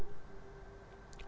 selain itu menempel sepanduk